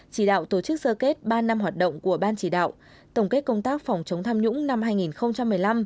chỉ đạo tổ chức sơ kết ba năm hoạt động của ban chỉ đạo tổng kết công tác phòng chống tham nhũng năm hai nghìn một mươi năm